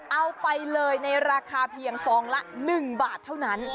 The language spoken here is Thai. เอาไปเลยในราคาเพียงฟองละ๑บาทเท่านั้น